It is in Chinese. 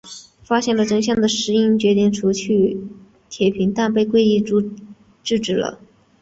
发现真相的诗音决定除去铁平但被圭一制止了。